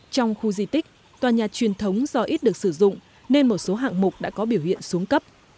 trong khu di tích tòa nhà truyền thống do ít được sử dụng nên một số hạng mục đã có biểu hiện xuống cấp